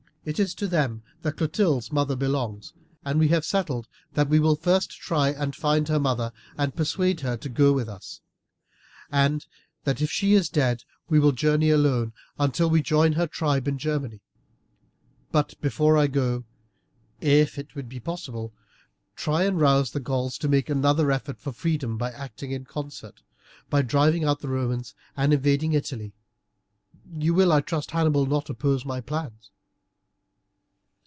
It is to them that Clotilde's mother belongs, and we have settled that we will first try and find her mother and persuade her to go with us, and that if she is dead we will journey alone until we join her tribe in Germany. But before I go I will, if it be possible, try and rouse the Gauls to make another effort for freedom by acting in concert, by driving out the Romans and invading Italy. You will, I trust, Hannibal, not oppose my plans."